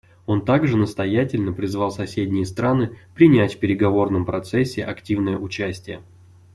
Он также настоятельно призвал соседние страны принять в переговорном процессе активное участие.